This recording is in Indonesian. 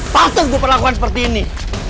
patuh gue perlakuan seperti ini